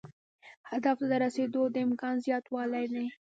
هدف ته د رسیدو د امکان زیاتوالی دی.